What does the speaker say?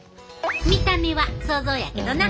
見た目は想像やけどな。